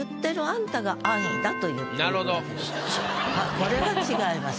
これは違います。